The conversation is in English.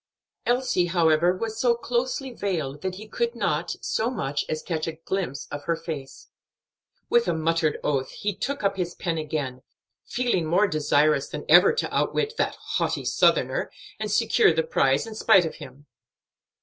Elsie, however, was so closely veiled that he could not so much as catch a glimpse of her face. With a muttered oath, he took up his pen again, feeling more desirous than ever to outwit "that haughty Southerner," and secure the prize in spite of him.